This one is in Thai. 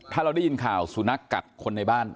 ถ้าเราได้ยินข่าวสุนัขกัดคนในบ้าน